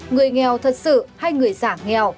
người nghèo thật sự hay người giả nghèo